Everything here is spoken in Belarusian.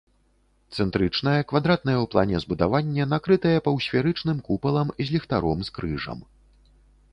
Цэнтрычнае квадратнае ў плане збудаванне, накрытае паўсферычным купалам з ліхтаром з крыжам.